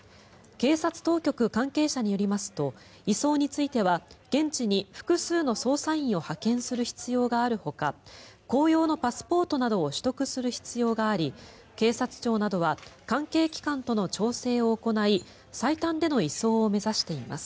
警察当局関係者によりますと移送については現地に複数の捜査員を派遣する必要があるほか公用のパスポートなどを取得する必要があり警察庁などは関係機関との調整を行い最短での移送を目指しています。